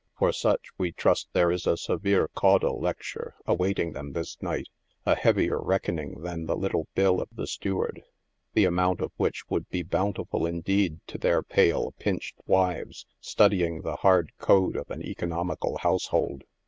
For such we trust these is a severe Caudle lecture awailing them this night a heavier reckoning than the little bill ot the steward, the amount of which would be bountiful indeed to their pale, pinched wives, stu dying the hard code of an economical household.